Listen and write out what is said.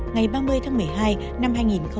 ngày ba mươi tháng một mươi hai năm hai nghìn hai mươi ba